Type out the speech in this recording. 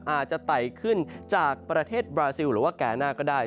อาจจะไต่ขึ้นจากประเทศบราซิลหรือว่าแก่หน้าก็ได้